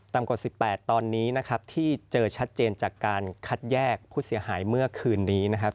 กว่า๑๘ตอนนี้นะครับที่เจอชัดเจนจากการคัดแยกผู้เสียหายเมื่อคืนนี้นะครับ